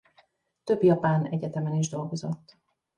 Több japán egyetemen is dolgozott.